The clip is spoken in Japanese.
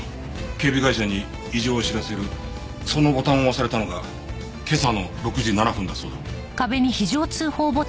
警備会社に異常を知らせるそのボタンが押されたのが今朝の６時７分だそうだ。